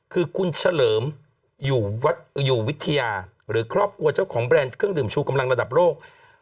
คือคุณเฉลิมอยู่วิทยาหรือครอบครัวเจ้าของแบรนด์เครื่องดื่มชูกำลังระดับโลก